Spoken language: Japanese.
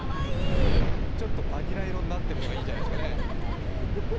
ちょっとバニラ色になってるのが、いいじゃないですかね。